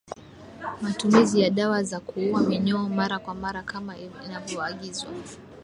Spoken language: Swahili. Matumizi ya dawa za kuua minyoo mara kwa mara kama inavyoagizwa